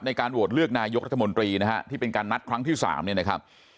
ในการโหวตเลือกนายกรัฐมนตรีนะฮะที่เป็นการนัดครั้งที่๓เนี่ยนะครับ